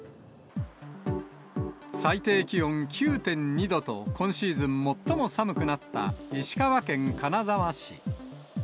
最低気温９．２度と、今シーズン最も寒くなった石川県金沢市。